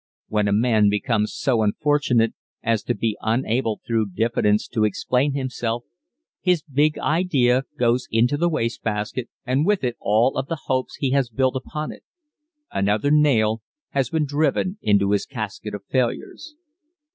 When a man becomes so unfortunate as to be unable through diffidence to explain himself, his big idea goes into the waste basket and with it all of the hopes he has built upon it. _Another nail has been driven into his casket of failures.